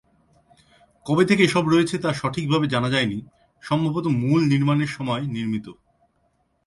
কবে থেকে এসব রয়েছে তা সঠিকভাবে জানা যায়নি, সম্ভবত মূল নির্মাণের সময়ে নির্মিত।